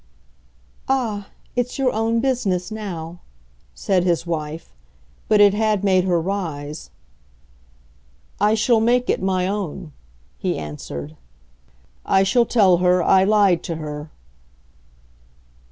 "Ah, it's your own business now!" said his wife. But it had made her rise. "I shall make it my own," he answered. "I shall tell her I lied to her."